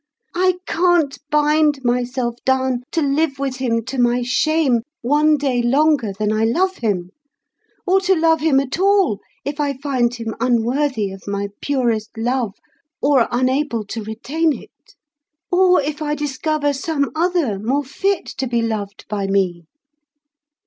I can't bind myself down to live with him to my shame one day longer than I love him; or to love him at all if I find him unworthy of my purest love, or unable to retain it; or if I discover some other more fit to be loved by me.